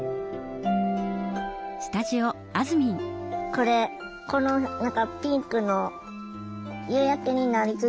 これこの何かピンクの夕焼けになりつつの。